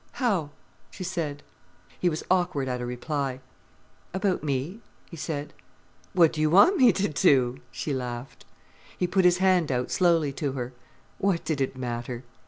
"How?" she said. He was awkward at a reply. "About me," he said. "What do you want me to do?" she laughed. He put his hand out slowly to her. What did it matter!